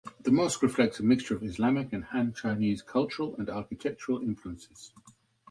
The mosque reflects a mixture of Islamic and Han Chinese cultural and architectural influences.